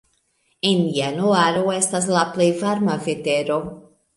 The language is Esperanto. En januaro estas la plej varma vetero.